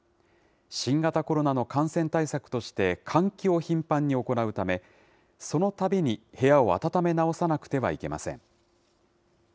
新型コロナの感染対策として、換気を頻繁に行うため、そのたびに部屋を暖め直さなくてはいけません。